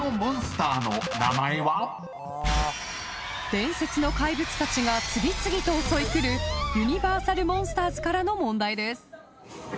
［伝説の怪物たちが次々と襲いくるユニバーサル・モンスターズからの問題です］